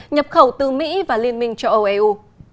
nhập khẩu từ mỹ và liên minh châu âu eu